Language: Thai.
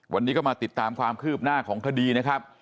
วันนี้ก็มาติดตามความคืบหน้าของคดีนะครับ